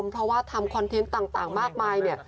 เพราะว่าทำคอนเทนต์ต่างมากมายเนี่ย